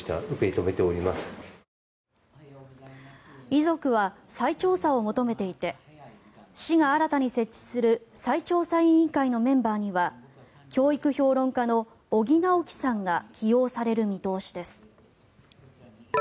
遺族は再調査を求めていて市が新たに設置する再調査委員会のメンバーには教育評論家の尾木直樹さんが起用される見通しです。